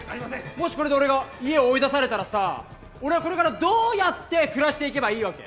もしこれで俺が家を追い出されたらさ俺はこれからどうやって暮らしていけばいいわけ？